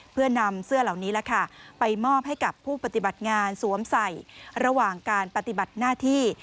เพื่อนำเสื้อเหล่านี้ไปมอบให้กับผู้ปฏิบัติงานสวมใส่ระหว่างการปฏิบัติหน้าที่